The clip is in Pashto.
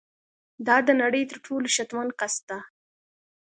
دا د نړۍ تر ټولو شتمن کس ده